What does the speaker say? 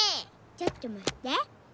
ちょっとまって。